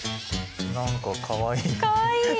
何かかわいい。